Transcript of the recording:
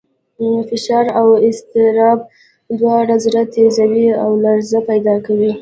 فشار او اضطراب دواړه زړه تېزوي او لړزه پیدا کوي.